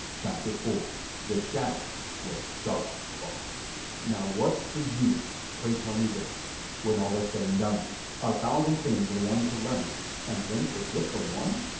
CHAPTER IV THE SHADOW WITH SHARP CLAWS Now what's the use, pray tell me this, When all is said and done; A thousand things and one to learn And then forget the one?